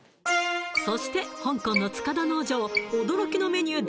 そして香港の塚田農場驚きのメニュー